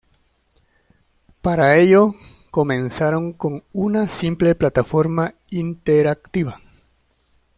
Para ello, comenzaron con una simple plataforma interactiva.